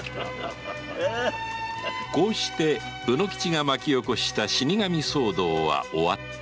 こうして卯之吉が巻き起こした死神騒動は終わった